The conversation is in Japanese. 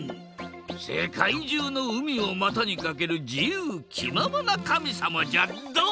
せかいじゅうの海をまたにかけるじゆうきままなかみさまじゃドン！